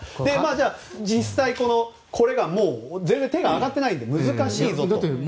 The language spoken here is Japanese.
じゃあ、実際これが全然手が挙がっていないので難しいぞと。